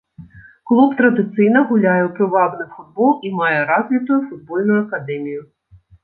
Клуб традыцыйна гуляе ў прывабны футбол і мае развітую футбольную акадэмію.